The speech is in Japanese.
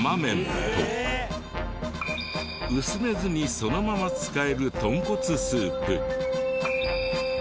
薄めずにそのまま使える豚骨スープ。